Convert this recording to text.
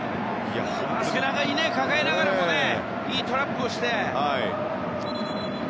今のは背中に抱えながらもいいトラップして。